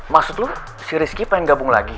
maksud lu si rizky pengen gabung lagi